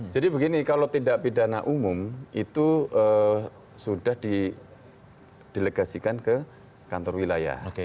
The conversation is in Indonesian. jadi begini kalau tidak pidana umum itu sudah di delegasikan ke kantor wilayah